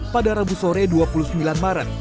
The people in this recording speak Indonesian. pada rabu sore dua puluh sembilan maret